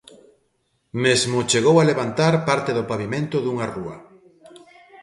Mesmo chegou a levantar parte do pavimento dunha rúa.